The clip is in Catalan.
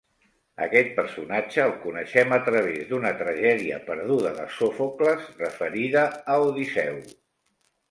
Aquest personatge el coneixem a través d'una tragèdia perduda de Sòfocles referida a Odisseu.